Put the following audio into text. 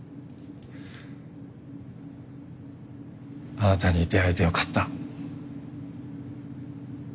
あなたに出会えてよかった。